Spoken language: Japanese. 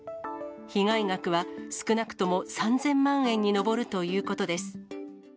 被害額は少なくとも３０００万円に上るということです。